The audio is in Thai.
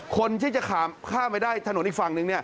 คนที่จะข้ามไปได้ถนนอีกฝั่งนึง